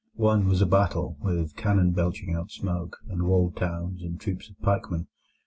One was a battle, with cannon belching out smoke, and walled towns, and troops of pikemen.